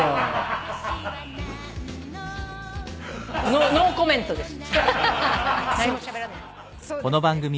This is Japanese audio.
ノノーコメントです。